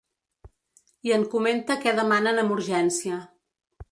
I en comenta què demanen amb urgència.